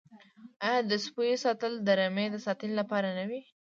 آیا د سپیو ساتل د رمې د ساتنې لپاره نه وي؟